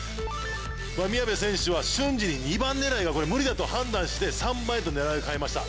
宮部選手は瞬時に２番狙いが無理だと判断して３番へと狙いを変えました